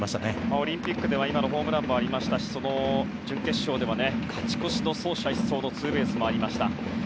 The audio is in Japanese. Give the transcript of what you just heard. オリンピックではホームランもありましたし準決勝では勝ち越しの走者一掃のツーベースもありました。